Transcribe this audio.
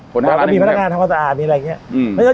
คนห้าร้านมีพนักงานทำความสะอาดมีอะไรอย่างเงี้ยอืม